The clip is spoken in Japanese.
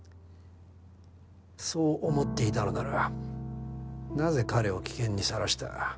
そう思っていたのならなぜ彼を危険にさらした。